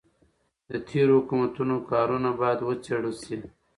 د تېرو حکومتونو کارونه باید وڅیړل شي.